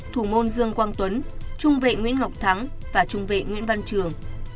thủ môn dương quang tuấn trung vệ nguyễn ngọc thắng và trung vệ nguyễn văn trường